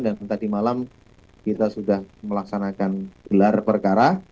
dan tadi malam kita sudah melaksanakan gelar perkara